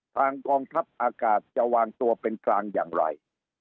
กองทัพอากาศจะวางตัวเป็นกลางอย่างไร